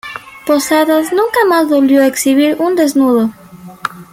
Posadas nunca más volvió a exhibir un desnudo.